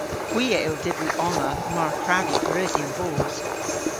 Hwi a yll dybri omma mar kwrav vy pareusi an boos.